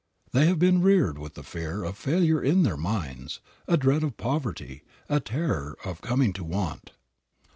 They have been reared with the fear of failure in their minds, a dread of poverty, a terror of coming to want.